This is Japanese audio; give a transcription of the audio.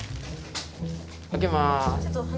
開けます。